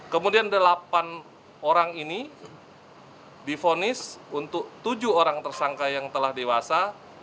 kemudian delapan orang ini difonis untuk tujuh orang tersangka yang telah dewasa